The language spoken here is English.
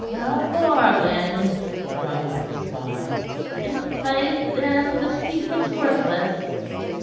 "A bargain?" grumbled the spy. "I' faith, then, the secret's worthless."